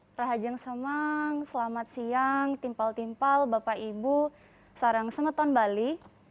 prahajang semang selamat siang timpal timpal bapak ibu sarang semeton bali